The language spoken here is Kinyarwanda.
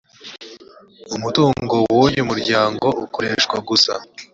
umutungo wa y umuryango ukoreshwa gusa